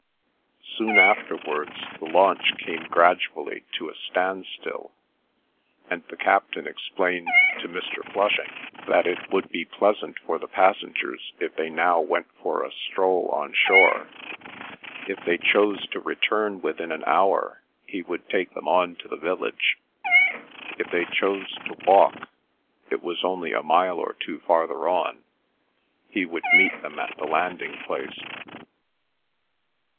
Soon afterwards the launch came gradually to a standstill, and the captain explained to Mr. Flushing that it would be pleasant for the passengers if they now went for a stroll on shore; if they chose to return within an hour, he would take them on to the village; if they chose to walk—it was only a mile or two farther on—he would meet them at the landing place.